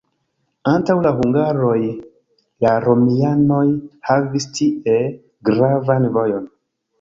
Antaŭ la hungaroj la romianoj havis tie gravan vojon.